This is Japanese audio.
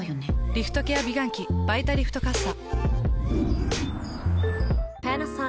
リフトケア美顔器「バイタリフトかっさ」。